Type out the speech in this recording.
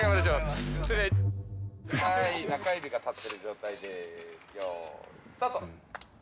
中指が立ってる状態でよいスタート。